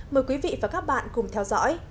mời quý vị và các bạn cùng theo dõi